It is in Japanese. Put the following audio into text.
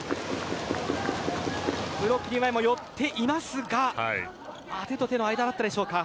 ブロック２枚も寄っていますが手と手の間だったでしょうか。